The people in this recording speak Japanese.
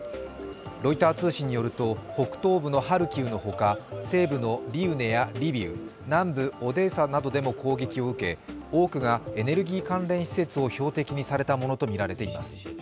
ロイター通信によると北東部のハルキウのほか、西部のリウネやリビウ、南部オデーサなどでも攻撃を受け、多くがエネルギー関連施設を標的にされたものとみられています。